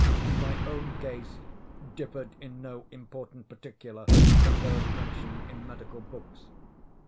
My own case differed in no important particular from those mentioned in medical books.